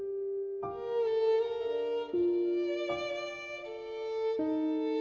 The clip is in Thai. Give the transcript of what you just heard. ทำงานชื่อนางหยาดฝนภูมิสุขอายุ๕๔ปี